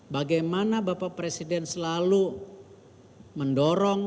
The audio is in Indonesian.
bagaimana bapak presiden selalu mendorong